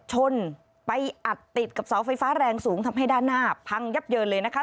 ชนไปอัดติดกับเสาไฟฟ้าแรงสูงทำให้ด้านหน้าพังยับเยินเลยนะคะ